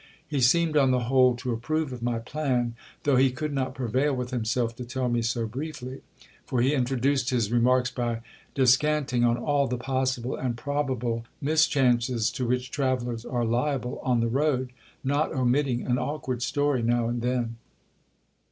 He seemed on the whole to approve of my plan, though he could not prevail with himself to tell me so briefly ; for he introduced his remarks by descanting on all the possible and probable mischances to which travellers are liable on the road, not omitting an awkward story now and then.